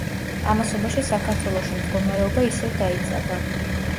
ამასობაში საქართველოში მდგომარეობა ისევ დაიძაბა.